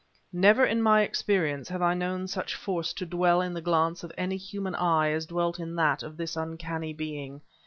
Never in my experience have I known such force to dwell in the glance of any human eye as dwelt in that of this uncanny being.